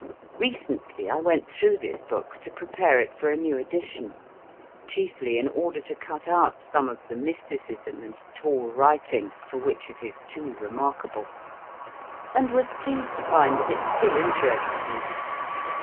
Recently, I went through this book to prepare it for a new edition, chiefly in order to cut out some of the mysticism and tall writing, for which it is too remarkable, and was pleased to find that it still interested me.